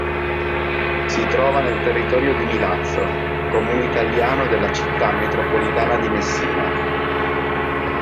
Si trova nel territorio di Milazzo, comune italiano della città metropolitana di Messina.